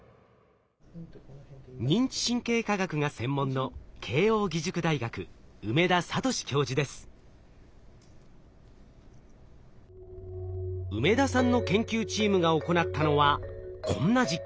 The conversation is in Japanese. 認知神経科学が専門の梅田さんの研究チームが行ったのはこんな実験。